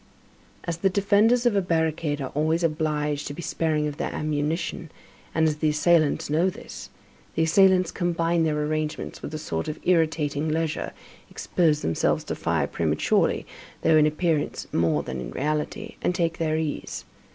As the defenders of a barricade are always obliged to be sparing of their ammunition, and as the assailants know this, the assailants combine their arrangements with a sort of irritating leisure, expose themselves to fire prematurely, though in appearance more than in reality, and take their ease.